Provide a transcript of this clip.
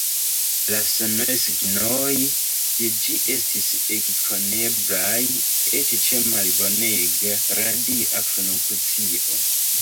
La sonaj signoj de ĝi estas ekkoneblaj eĉ ĉe malbonega radia funkcio.